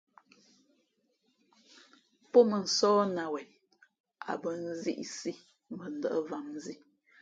Pó mᾱnsóh nāt wen a bᾱ nzīʼsī mbα ndα̌ʼ vam zǐ.